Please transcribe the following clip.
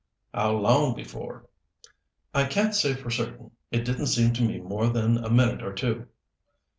"How long before?" "I can't say for certain. It didn't seem to me more than a minute or two."